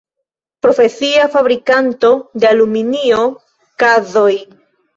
Profesia fabrikanto de aluminio kazoj.